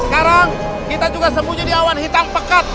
sekarang kita juga sembunyi di awan hitam pekat